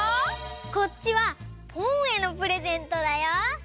こっちはポンへのプレゼントだよ。